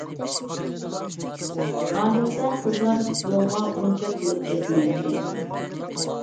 ئادەتتە قىزلار پۇتبولغا ئۇنچە قىلىپ كەتمەيتتى.